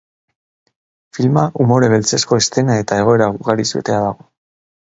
Filma umore beltzezko eszena eta egoera ugariz betea dago.